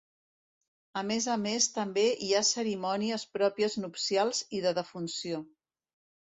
A més a més també hi ha cerimònies pròpies nupcials i de defunció.